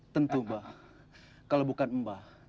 tentu mbak kalau bukan mbah